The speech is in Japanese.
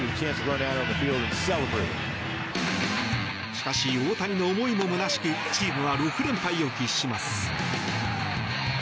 しかし、大谷の思いも空しくチームは６連敗を喫します。